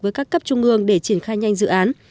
với các cấp trung ương để triển khai nhanh dự án